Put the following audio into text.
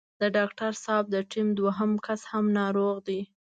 د ډاکټر صاحب د ټيم دوهم کس هم ناروغ دی.